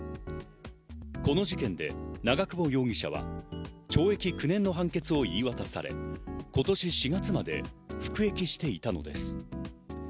この事件で長久保容疑者は懲役９年の判決を言い渡され、今年４月まで服役していたのです。